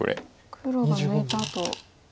黒が抜いたあと。